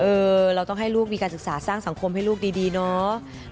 เราต้องให้ลูกมีการศึกษาสร้างสังคมให้ลูกดีเนาะ